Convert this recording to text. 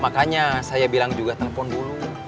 makanya saya bilang juga telpon dulu